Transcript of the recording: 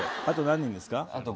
あと何人ですか？